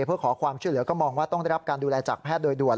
เพื่อขอความช่วยเหลือก็มองว่าต้องได้รับการดูแลจากแพทย์โดยด่วน